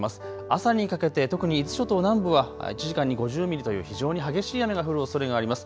朝にかけて特に伊豆諸島南部は１時間に５０ミリという非常に激しい雨が降るおそれがあります。